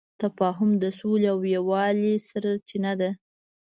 تفاهم د سولې او یووالي سرچینه ده.